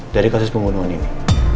dari kasus pembunuhan ini